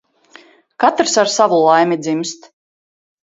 Katrs ar savu laimi dzimst.